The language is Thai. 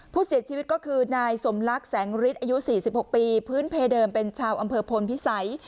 ผู้เสียชีวิตก็คือนายสมลักษณ์แสงฤทธิ์อายุ๔๖ปีพื้นเพเดิมเป็นชาวอำเภอพลพิสัย